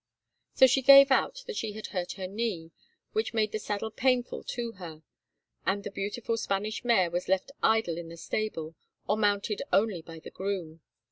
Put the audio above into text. So she gave out that she had hurt her knee, which made the saddle painful to her, and the beautiful Spanish mare was left idle in the stable, or mounted only by the groom.